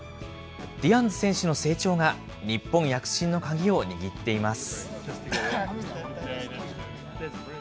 ディアンズ選手の成長が、日本躍進の鍵を握っています。